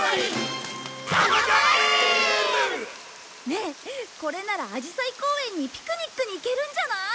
ねえこれならアジサイ公園にピクニックに行けるんじゃない？